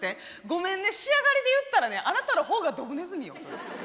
ごめんね仕上がりで言ったらねあなたの方がドブネズミよ。